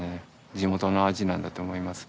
地元の味なんだと思います。